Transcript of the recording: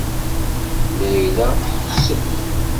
Layla texsef.